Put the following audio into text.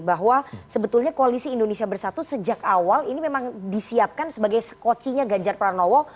bahwa sebetulnya koalisi indonesia bersatu sejak awal ini memang disiapkan sebagai skocinya ganjar pranowo